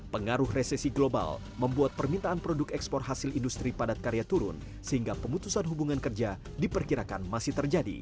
pengaruh resesi global membuat permintaan produk ekspor hasil industri padat karya turun sehingga pemutusan hubungan kerja diperkirakan masih terjadi